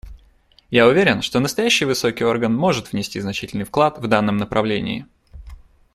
Я уверен, что настоящий высокий орган может внести значительный вклад в данном направлении.